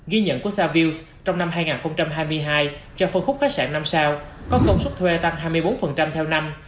ghi nhận của savils trong năm hai nghìn hai mươi hai cho phân khúc khách sạn năm sao có công suất thuê tăng hai mươi bốn theo năm